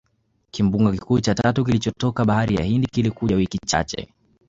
Kimbunga kikuu cha tatu kilichotoka Bahari ya Hindi kilikuja wiki chache